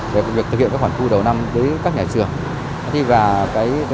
để việc thực hiện các khó khăn khu đầu năm với các nhà trường